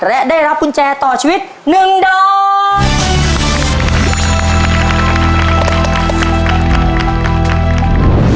และได้รับกุญแจต่อชีวิต๑ดอก